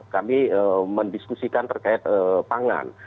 kami mendiskusikan terkait pangan